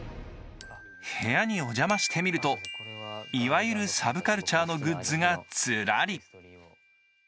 部屋にお邪魔してみると、いわゆるサブカルチャーのグッズがズラリ。